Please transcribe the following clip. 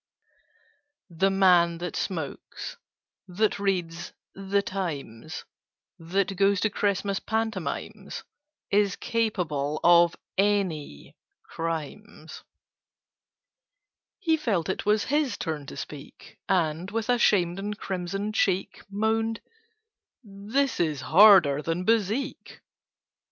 "The man that smokes—that reads the Times— That goes to Christmas Pantomimes— Is capable of any crimes!" He felt it was his turn to speak, And, with a shamed and crimson cheek, Moaned "This is harder than Bezique!"